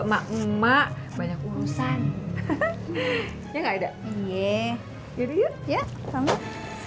emak emak banyak urusan enggak ada iya ya